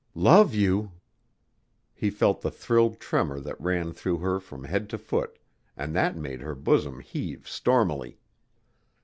"Love you!" He felt the thrilled tremor that ran through her from head to foot, and that made her bosom heave stormily.